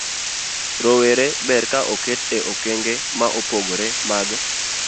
Rowere ber ka oket e okenge ma opogore mag